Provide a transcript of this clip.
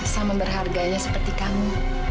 sama berharganya seperti kamu